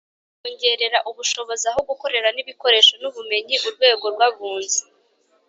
Kongerera ubushobozi, aho gukorera n’ibikoresho n’ubumenyi urwego rw’abunzi.